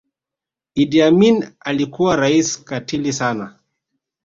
idi amin alikuwa raisi katili sana